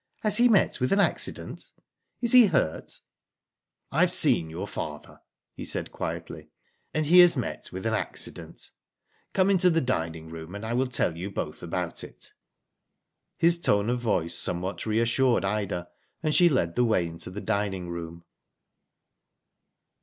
Has he met with an accident? Is he hurt?" "I have seen your father," he said, quietly, and he has met with an accident. Come into the dining room, and I will tell you both about it. " His tone of voice somewhat reassured Ida, an<^ she led the way into the dining room.